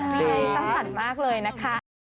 ใช่ตั้งสรรมากเลยนะคะ